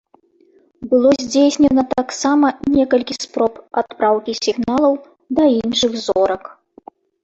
Было здзейснена таксама некалькі спроб адпраўкі сігналаў да іншых зорак.